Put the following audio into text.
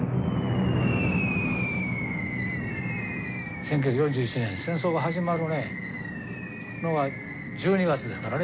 １９４１年戦争が始まるのが１２月ですからね。